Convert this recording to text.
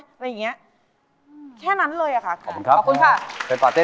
อะไรยังงี้แค่นั้นเลยอ่ะค่ะขอบคุณค่ะเป็นประเทศ